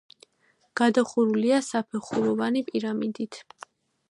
გადახურულია საფეხუროვანი პირამიდით.